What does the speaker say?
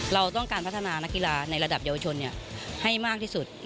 เราต้องการพัฒนานักกีฬาในระดับเยาวชนให้มากที่สุด